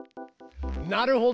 なるほど。